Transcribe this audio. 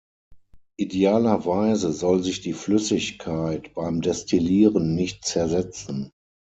Idealerweise soll sich die Flüssigkeit beim Destillieren nicht zersetzen.